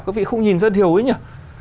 các vị không nhìn dân hiểu ấy nhỉ